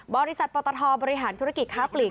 บริษัทปตทบริหารธุรกิจค้าปลีก